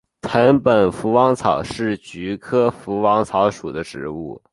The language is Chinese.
藤本福王草是菊科福王草属的植物。